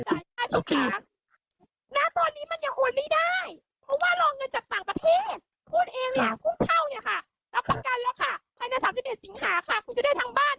เพราะว่าลองเงินจากต่างประเทศ